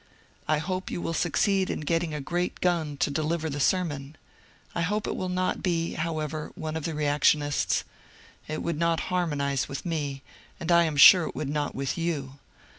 I hope you will succeed in getting a great gun to deliver the sermon. I hope it will not be, however, one of the reactionists. It would not harmonize with me, and I am sure it would not with you.